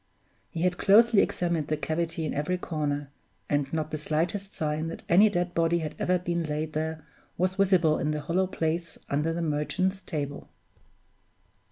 He had closely examined the cavity in every corner, and not the slightest sign that any dead body had ever been laid there was visible in the hollow place under the Merchant's Table.